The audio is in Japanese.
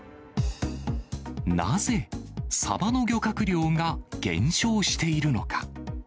なぜ、サバの漁獲量が減少しているのか。